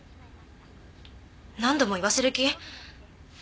何度も言わせる気？